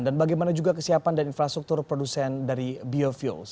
dan bagaimana juga kesiapan dan infrastruktur produsen dari biofuels